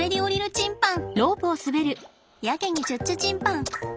チンパン！